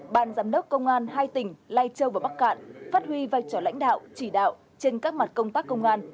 ban giám đốc công an hai tỉnh lai châu và bắc cạn phát huy vai trò lãnh đạo chỉ đạo trên các mặt công tác công an